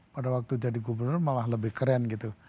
pada waktu jadi gubernur malah lebih keren gitu